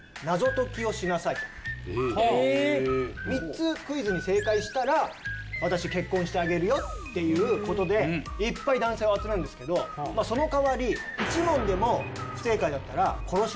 「３つクイズに正解したら私結婚してあげるよ」っていう事でいっぱい男性を集めるんですけど「その代わり１問でも不正解だったら殺します」。